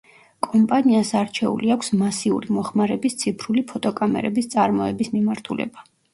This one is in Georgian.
კომპანიას არჩეული აქვს მასიური მოხმარების ციფრული ფოტოკამერების წარმოების მიმართულება.